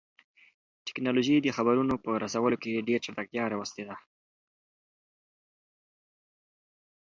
تکنالوژي د خبرونو په رسولو کې ډېر چټکتیا راوستې ده.